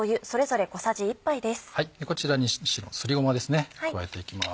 こちらすりごまですね加えていきます。